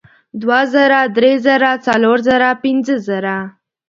دوه زره درې زره څلور زره پینځه زره